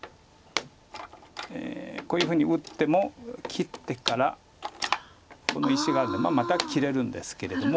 こういうふうに打っても切ってからこの石があるんでまた切れるんですけれども。